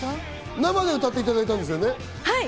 生で歌っていただいたんですよね？